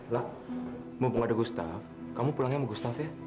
lah mumpung ada gustaf kamu pulangin sama gustaf ya